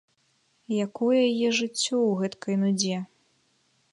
Якое яе жыццё ў гэткай нудзе?